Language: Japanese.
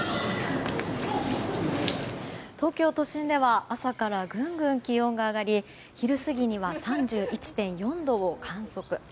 東京都心では朝からぐんぐん気温が上がり昼過ぎには３１．４度を観測。